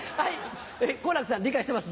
好楽さん理解してます？